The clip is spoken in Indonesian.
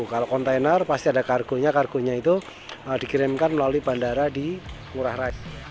kalau kontainer pasti ada kargonya kargonya itu dikirimkan melalui bandara di ngurah rai